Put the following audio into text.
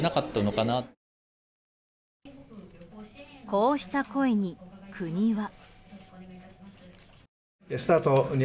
こうした声に、国は。